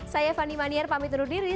saya fanny maniar pamit undur diri